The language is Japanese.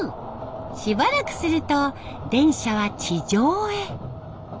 しばらくすると電車は地上へ。